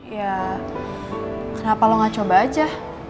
ya kenapa lo gak coba aja